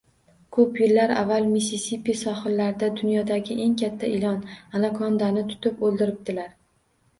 Ko’p yillar avval Missisipi sohillarida dunyodagi eng katta ilon-anakondani tutib o’ldiribdilar.